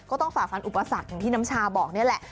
ฝ่าฟันอุปสรรคอย่างที่น้ำชาบอกนี่แหละ